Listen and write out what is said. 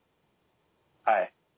はい。